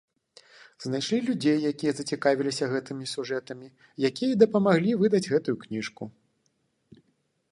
Знайшлі людзей, якія зацікавіліся гэтымі сюжэтамі, якія і дапамаглі выдаць гэтую кніжку.